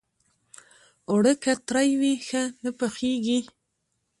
اوړه که ترۍ وي، ښه نه پخېږي